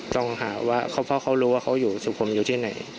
ต้องหาว่าเพราะเขารู้ว่าเขาอยู่สุขมอยู่ที่ไหน